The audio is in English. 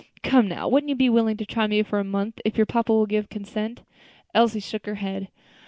Come, now, wouldn't you be willing to try me for a month, if your papa will give consent?" Elsie shook her head.